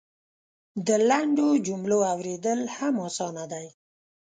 د لنډو جملو اورېدل هم اسانه دی.